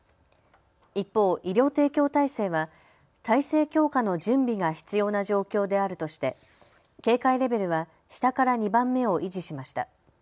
一方、医療提供体制は体制強化の準備が必要な状況であるとして警戒レベルは下から２番目を維持しました。